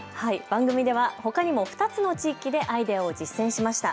番組ではほかにも２つの地域でアイデアを実践しました。